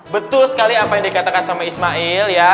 betul sekali apa yang dikatakan sama ismail ya